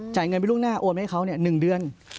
เงินไปล่วงหน้าโอนไปให้เขา๑เดือน